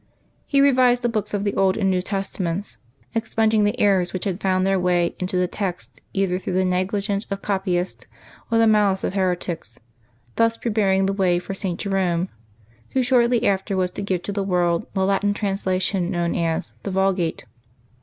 He revised the books of the Old and New Testaments, expunging the errors which had found their way into the text either through the negligence of copyists or the malice of heretics, thus preparing the way for St. Jerome, who shortly after was to give to the world the Latin translation known as " The Yulgate."